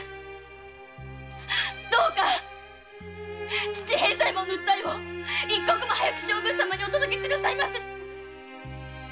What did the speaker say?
どうか父平左衛門の訴えを一刻も早く将軍様にお届け下さいませ！